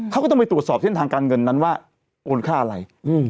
เขาก็ต้องไปตรวจสอบเส้นทางการเงินนั้นว่าโอนค่าอะไร